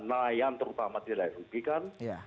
nah yang terutama tidak dirugikan